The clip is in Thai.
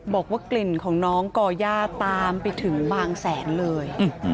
บอกว่ากลิ่นของน้องก่อย่าตามไปถึงบางแสนเลย